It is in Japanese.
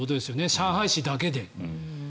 上海市だけで。